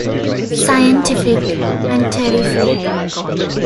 Scientific and terrific.